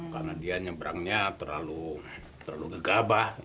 karena dia nyebrangnya terlalu terlalu gegabah